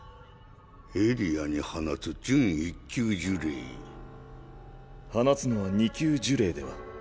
エリアに放つ準１級呪霊放つのは２級呪霊では？